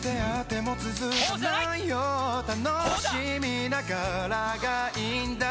楽しみながらがいいんだよ